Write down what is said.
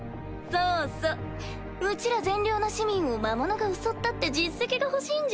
そうそううちら善良な市民を魔物が襲ったって実績が欲しいんじゃん？